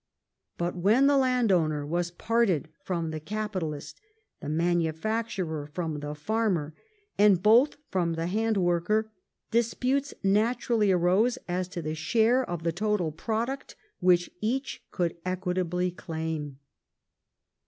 But when the landowner was parted from the capitalist, the manufacturer from the farmer, and both from the hand worker, disputes naturally arose as to the share of* the total product which each could equitably claim.